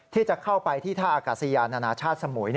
ที่จะเข้าไปที่ท่าอากาศยานานาชาติสมุย